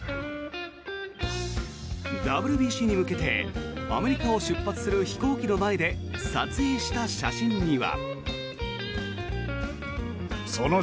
ＷＢＣに向けてアメリカを出発する飛行機の前で撮影した写真には。